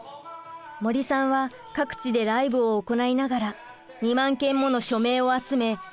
森さんは各地でライブを行いながら２万件もの署名を集め県庁に提出。